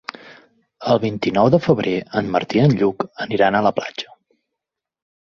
El vint-i-nou de febrer en Martí i en Lluc aniran a la platja.